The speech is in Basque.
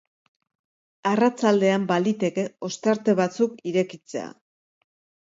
Arratsaldean baliteke ostarte batzuk irekitzea.